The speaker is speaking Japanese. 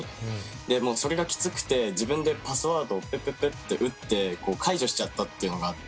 でもうそれがキツくて自分でパスワードをプププって打って解除しちゃったっていうのがあって。